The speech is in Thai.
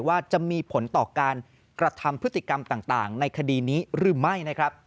ว่าจะมีผลต่อการกระทำพฤติกรรมต่างในคดีนี้หรือไม่นะครับ